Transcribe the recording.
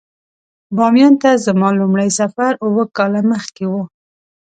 بامیان ته زما لومړی سفر اووه کاله مخکې و.